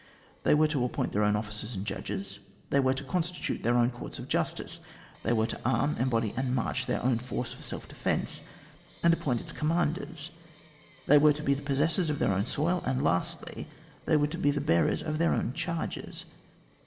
They were to appoint their own officers and judges ; they were to constitute their own courts of justice ; they were to arm, embody, and march their own force for self defence, and appoint its commanders; they were to be the possessors of their own soil, and, lastly, they were to be the bearers of their own charges.